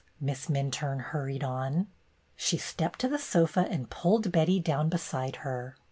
Miss Minturne hurried on. She stepped to the sofa and pulled Betty down beside her.